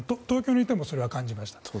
東京にいてもそれは感じました。